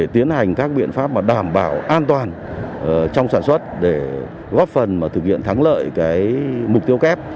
tiến hành các biện pháp đảm bảo an toàn trong sản xuất để góp phần thực hiện thắng lợi mục tiêu kép